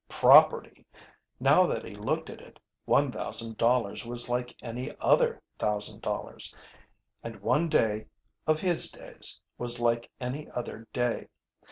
Property! Now that he looked at it, one thousand dollars was like any other thousand dollars; and one day (of his days) was like any other day.